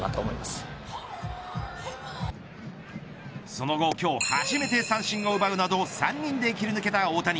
その後、今日初めて三振を奪うなど３人で切り抜けた大谷。